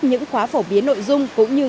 những khóa phổ biến nội dung cũng như